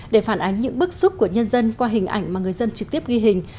để phản ánh những bức xúc của nhân dân qua hình ảnh mà người dân trực tiếp ghi hình